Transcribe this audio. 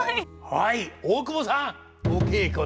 はい。